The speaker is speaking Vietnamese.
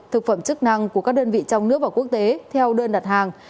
thực phẩm chức năng của các đơn vị trong nước và quốc tế theo đơn đặt hàng